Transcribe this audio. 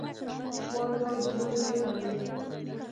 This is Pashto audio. وای وای دروند دی امېل.